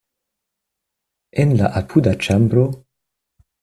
En la apuda ĉambro.